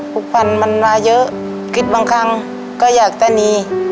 ทุกวันมันมาเยอะคิดบางครั้งก็อยากจะหนี